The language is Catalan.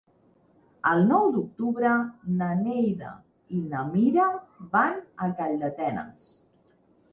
El nou d'octubre na Neida i na Mira van a Calldetenes.